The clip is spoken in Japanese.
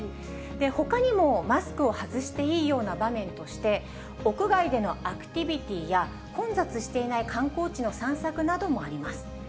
ほかにもマスクを外していいような場面として、屋外でのアクティビティーや、混雑していない観光地の散策などもあります。